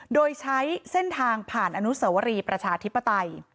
โดยใช้เส้นทางผ่านอนุสวรีประชาธิปไตย